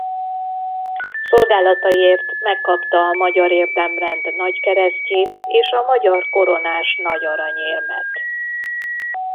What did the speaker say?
Szolgálataiért megkapta a Magyar Érdemrend nagykeresztjét és a Magyar Koronás Nagy Aranyérmet.